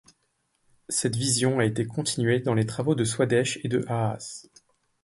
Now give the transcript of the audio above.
Cette vision été continuée dans les travaux de Swadesh et de Haas.